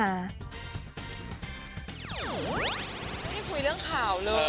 ไม่คุยเรื่องข่าวเลย